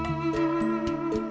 supaya beliau lebih khusus